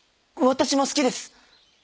私も好きです